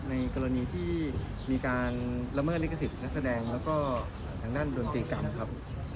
ในกรณีที่มีการละเมิดลิขสิทธิ์นักแสดงแล้วก็ทางด้านดนตรีกันนะครับ